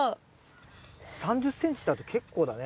３０ｃｍだと結構だね。